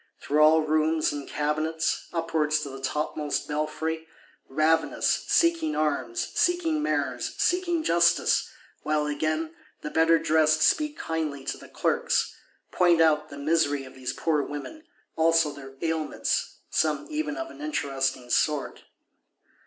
Through all rooms and cabinets, upwards to the topmost belfry: ravenous; seeking arms, seeking Mayors, seeking justice;—while, again, the better cressed (dressed?) speak kindly to the Clerks; point out the misery of these poor women; also their ailments, some even of an interesting sort.